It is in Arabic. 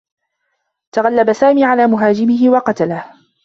تغلّب سامي على مهاجمه و قتله.